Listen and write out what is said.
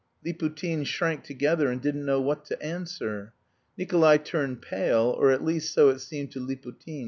Liputin shrank together and didn't know what to answer. Nikolay turned pale or, at least, so it seemed to Liputin.